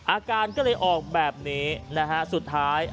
อาการก็เลยออกแบบนี้นะฮะสุดท้าย